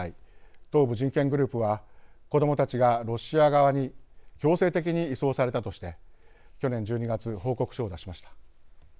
東部人権グループは子どもたちがロシア側に強制的に移送されたとして去年１２月報告書を出しました。